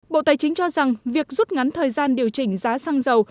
bộ tài chính cho rằng việc rút ngắn thời gian điều chỉnh giá xăng dầu